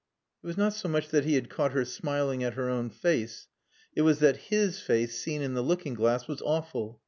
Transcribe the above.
It was not so much that he had caught her smiling at her own face, it was that his face, seen in the looking glass, was awful.